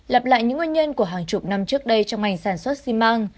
lặp lại những nguyên nhân của hàng chục năm trước đây trong ngành sản xuất xi măng